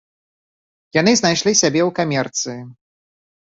Яны знайшлі сябе ў камерцыі.